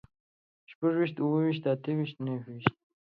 شپږ ويشت، اووه ويشت، اته ويشت، نهه ويشت